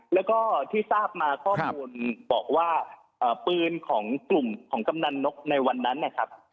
แล้วก็ที่ทราบมาข้อมูลบอกว่าปืนของกลุ่มของกำนันนกในวันนั้นนะครับ